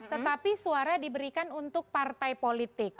tetapi suara diberikan untuk partai politik